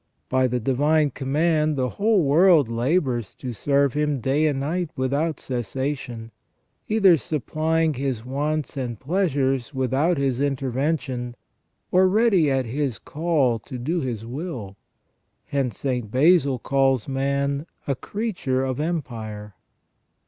By the divine command the whole world labours to serve him day and night without cessation ; either supplying his wants and pleasures without his intervention, or ready at his call to do his will; hence St. Basil calls man "a creature of empire